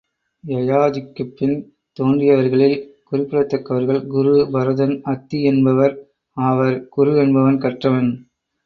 யயாதிக்குப் பின் தோன்றியவர்களில் குறிப்பிடத்தக்கவர்கள் குரு, பரதன், அத்தி என்பவர் ஆவர். குரு என்பவன் கற்றவன்.